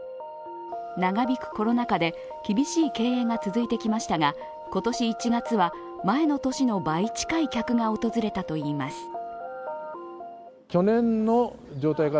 長引くコロナ禍で厳しい経営が続いてきましたが今年１月は、前の年の倍近い客が訪れたといいます。